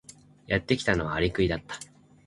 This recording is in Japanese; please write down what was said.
やってきたのはアリクイだった。